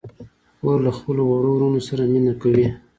خور له خپلو وړو وروڼو سره مینه کوي.